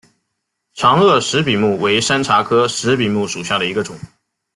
长萼石笔木为山茶科石笔木属下的一个种。